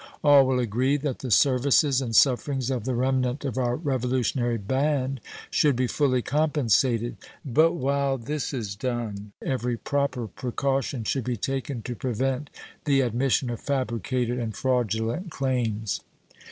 All will agree that the services and sufferings of the remnant of our Revolutionary band should be fully compensated; but while this is done, every proper precaution should be taken to prevent the admission of fabricated and fraudulent claims.